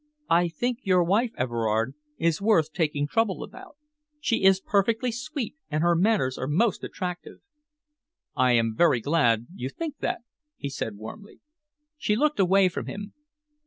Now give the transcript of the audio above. I think your wife, Everard, is worth taking trouble about. She is perfectly sweet, and her manners are most attractive." "I am very glad you think that," he said warmly. She looked away from him.